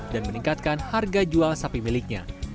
dan meningkatkan harga jual sapi miliknya